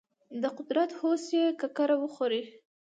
د قدرت هوس یې ککره وخوري.